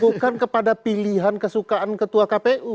bukan kepada pilihan kesukaan ketua kpu